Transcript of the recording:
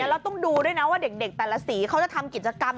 เราต้องดูด้วยนะว่าเด็กแต่ละสีเขาจะทำกิจกรรม